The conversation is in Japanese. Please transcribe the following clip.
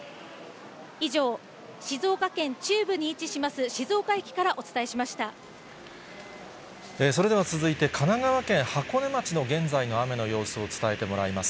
以上、静岡県中部に位置します、それでは続いて、神奈川県箱根町の現在の雨の様子を伝えてもらいます。